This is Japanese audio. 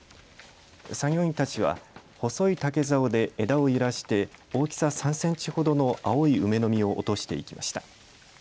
作業員たちは細い竹ざおで枝を揺らして大きさ３センチほどの青い梅の実を落としていきました。